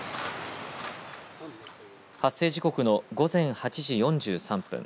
発生時刻の午前８時４３分